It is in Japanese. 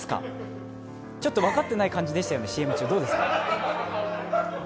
ちょっとわかってない感じでしたよね、ＣＭ中。